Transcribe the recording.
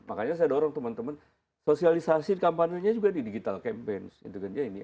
makanya saya dorong teman teman sosialisasi kampanye nya juga di digital campaign